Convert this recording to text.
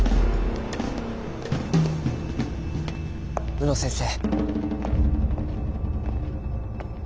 宇野先生。